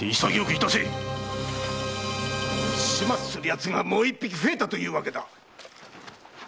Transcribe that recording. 始末する奴がもう一匹増えたというわけだ。